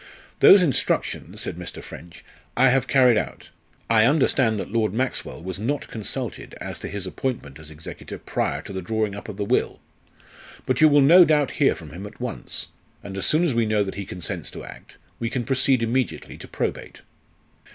"Those instructions," said Mr. French, "I have carried out. I understand that Lord Maxwell was not consulted as to his appointment as executor prior to the drawing up of the will. But you will no doubt hear from him at once, and as soon as we know that he consents to act, we can proceed immediately to probate."